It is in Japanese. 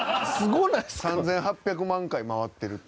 ３８００万回回ってるって。